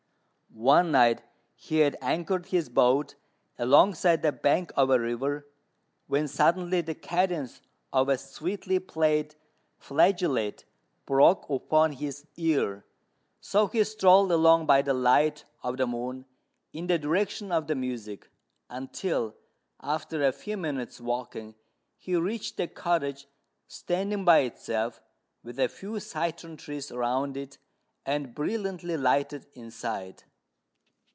One night he had anchored his boat alongside the bank of a river, when suddenly the cadence of a sweetly played flageolet broke upon his ear; so he strolled along by the light of the moon in the direction of the music, until, after a few minutes' walking, he reached a cottage standing by itself, with a few citron trees round it, and brilliantly lighted inside.